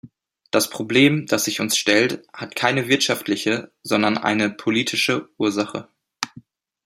Das Problem, das sich uns stellt, hat keine wirtschaftliche, sondern eine politische Ursache.